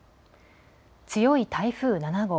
強い台風７号。